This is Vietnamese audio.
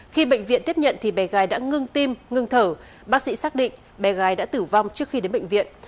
khi bệnh viện tiếp nhận thì bé gái đã ngưng tim ngưng thở bác sĩ xác định bé gái đã tử vong trước khi đến bệnh viện